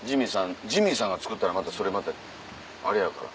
ジミーさんが作ったらそれまたあれやから。